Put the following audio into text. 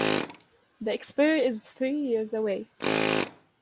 The expiry is three years away.